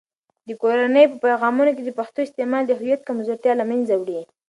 د کورنۍ په پیغامونو کې د پښتو استعمال د هویت کمزورتیا له منځه وړي.